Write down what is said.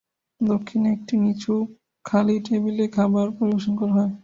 দক্ষিণে একটি নিচু, খালি টেবিলে খাবার পরিবেশন করা হয়।